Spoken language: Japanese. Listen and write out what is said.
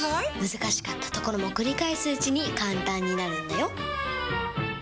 難しかったところも繰り返すうちに簡単になるんだよ！